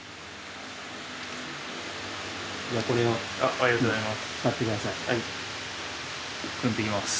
ありがとうございます。